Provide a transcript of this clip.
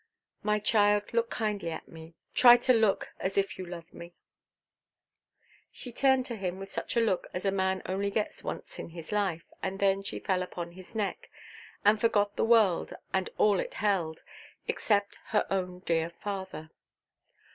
"My child, look kindly at me; try to look as if you loved me." She turned to him with such a look as a man only gets once in his life, and then she fell upon his neck, and forgot the world and all it held, except her own dear father.